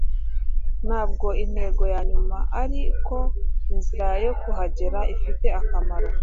ntabwo intego yanyuma, ariko inzira yo kuhagera ifite akamaro